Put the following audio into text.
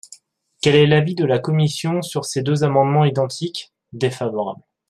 Quel est l’avis de la commission sur ces deux amendements identiques ? Défavorable.